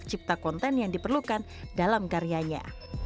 dan memperbaiki hak cipta konten yang diperlukan dalam karyanya